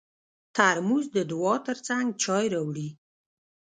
ترموز د دعا تر څنګ چای راوړي.